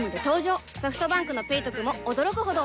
ソフトバンクの「ペイトク」も驚くほどおトク